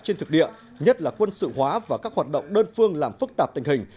trên thực địa nhất là quân sự hóa và các hoạt động đơn phương làm phức tạp tình hình